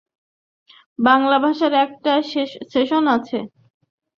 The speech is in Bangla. বাংলা ভাষারও একটা সেকশন আছে।